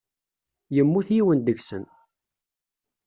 Yemmut yiwen deg-sen.